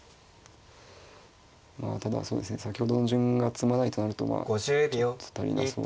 まあただそうですね先ほどの順が詰まないとなるとまあちょっと足りなそうな気がします。